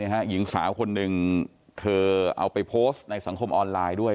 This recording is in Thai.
หญิงสาวคนหนึ่งเธอเอาไปโพสต์ในสังคมออนไลน์ด้วย